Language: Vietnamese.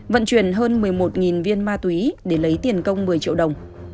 vận chuyển hơn một mươi một viên ma túy để lấy tiền công một mươi triệu đồng